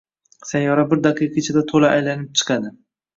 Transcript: Sayyora bir daqiqa ichida to‘la aylanib chiqadi